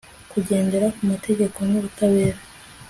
kugendera ku mategeko n'ubutabera